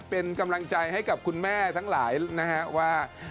เป็นกำลังใจให้กับคุณแม่ทั้งหลายนะฮะว่า